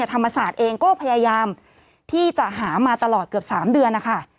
ธรรมศาสตร์เองก็พยายามที่จะหามาตลอดเกือบ๓เดือนนะคะ